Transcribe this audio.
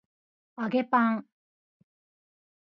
揚げパン